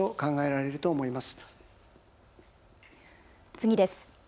次です。